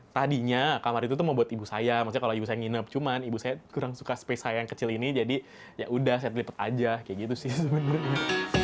tadinya kamar itu tuh mau buat ibu saya maksudnya kalau ibu saya nginep cuman ibu saya kurang suka space saya yang kecil ini jadi yaudah saya lipat aja kayak gitu sih sebenarnya